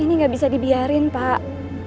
tapi gak bisa dibiarin pak